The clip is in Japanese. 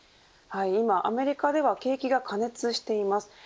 今、アメリカでは景気が過熱しています。